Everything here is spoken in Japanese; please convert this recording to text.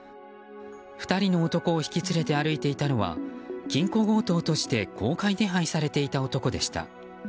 ２人の男を引き連れて歩いていたのは金庫強盗として公開手配されていた男でした。